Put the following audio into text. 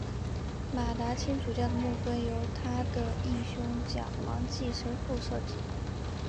马达钦主教的牧徽由他的铎兄蒋煌纪神父设计。